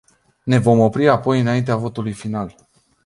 Ne vom opri apoi înaintea votului final.